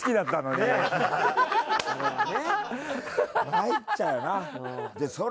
まいっちゃうよな。